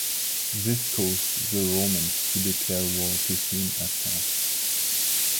This caused the Romans to declare war to soon after.